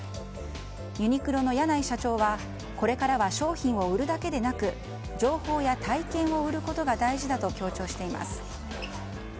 ユニクロの柳井社長はこれからは商品を売るだけでなく情報や体験を売ることが大事だと強調しています。